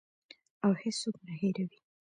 او هیڅوک نه هیروي.